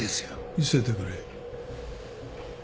見せてくれ。